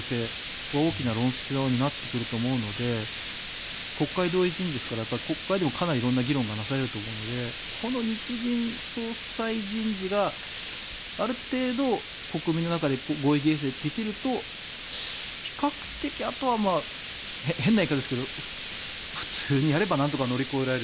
これは大きな論争になってくると思うので国会同意人事ですから国会でも色んな議論がなされると思うのでこの日銀総裁人事がある程度、国民の中で合意形成できると比較的あとは変な言い方ですけど普通にやればなんとか乗り越えられる。